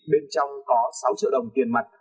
bên trong có sáu triệu đồng tiền mặt